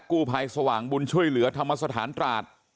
กู้ภัยสว่างบุญช่วยเหลือธรรมสถานตราด